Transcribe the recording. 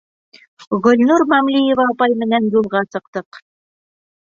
Гөлнур Мамлиева апай менән юлға сыҡтыҡ.